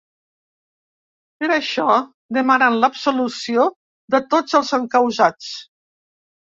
Per això, demanen l’absolució de tots els encausats.